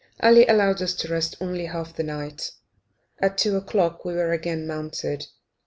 Ali allowed us to rest only half the night; at 2 o'clock we were again mounted.